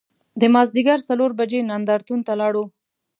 د مازدیګر څلور بجې نندار تون ته لاړو.